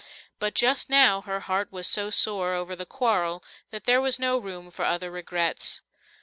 But just now her heart was so sore over the Quarrel that there was no room for other regrets.